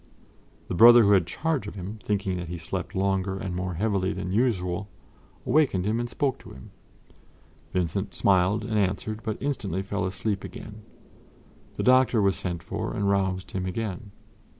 The brother who had charge of him, thinking that he slept longer and more heavily than usual, awakened him and spoke to him. Vincent smiled and answered, but instantly fell asleep again. The doctor was sent for, and roused him again.